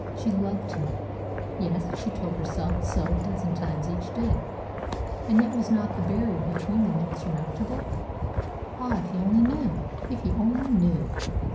She loved him. Yes, she told herself so a dozen times each day. And yet was not the barrier between them insurmountable? Ah, if he only knew! If he only knew!